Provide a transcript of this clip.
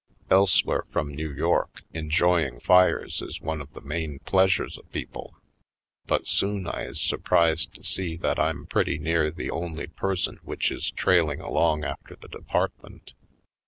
Elsewhere from New York, enjoying fires is one of the main pleasures of people; but soon I is surprised to see that I'm pretty near the only person which is trailing along after the depart ment.